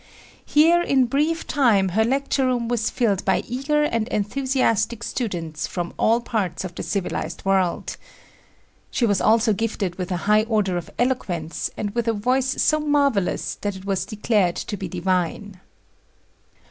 Here in brief time her lecture room was filled by eager and enthusiastic students from all parts of the civilized world. She was also gifted with a high order of eloquence and with a voice so marvelous that it was declared to be "divine."